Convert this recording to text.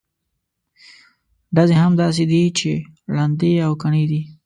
ډزې هم داسې دي چې ړندې او کڼې دي.